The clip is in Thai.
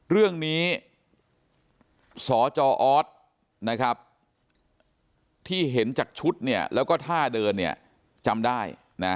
เรื่องนี้สจออสที่เห็นจากชุดแล้วก็ท่าเดินจำได้